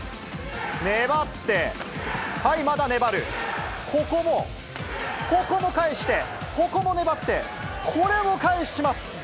粘って、はい、まだ粘る、ここも、ここも返して、ここも粘って、これも返します。